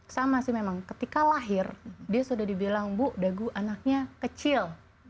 sama sih memang ketika lahir dia sudah dibilang bu dagu anaknya kecil